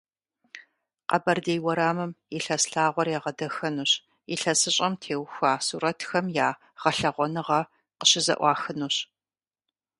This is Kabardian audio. Къэбэрдей уэрамым и лъэс лъагъуэр ягъэдахэнущ, ИлъэсыщӀэм теухуа сурэтхэм я гъэлъэгъуэныгъэ къыщызэӀуахынущ.